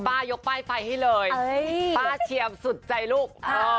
ยกป้ายไฟให้เลยป้าเชียมสุดใจลูก